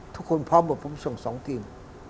ทุกคนพร้อมเหมือนผมส่ง๒ทีม